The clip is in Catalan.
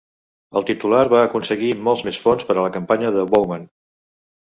El titular va aconseguir molts més fons per a la campanya que Bowman.